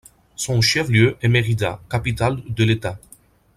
Son chef-lieu est Mérida, capitale de l'État.